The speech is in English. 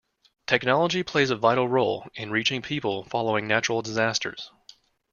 Technology plays a vital role in reaching people following natural disasters.